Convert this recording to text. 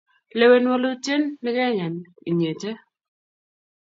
lewen wolutie ne keyan inyete